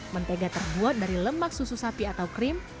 mentega terbuat dari lemak susu sapi atau krim